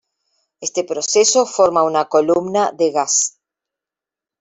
Este proceso forma una columna de gas.